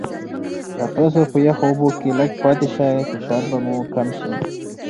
که تاسو په یخو اوبو کې لږ پاتې شئ، فشار به کم وي.